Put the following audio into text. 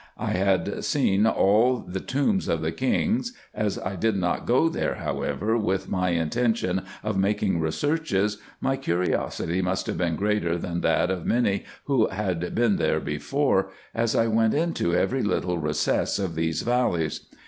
I had seen all the tombs of the kings : as I did not go there, however, with any intention of making researches, my curiosity must have been greater than that of many who had been there before, as I went into every little recess of these valleys.